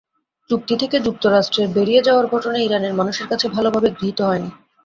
চুক্তি থেকে যুক্তরাষ্ট্রের বেরিয়ে যাওয়ার ঘটনা ইরানের মানুষের কাছে ভালোভাবে গৃহীত হয়নি।